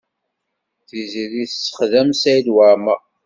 Tiziri tessexdem Saɛid Waɛmaṛ.